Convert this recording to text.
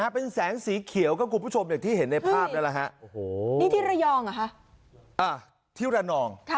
เป็นแสงสีเขียวกลุ่มผู้ชมอยากที่เห็นในภาพนั้น